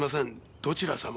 どちら様？